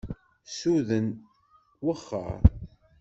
Suden, wexxer.